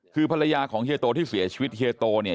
คือภรรยาของเฮียโตที่เสียชีวิตเฮียโตเนี่ย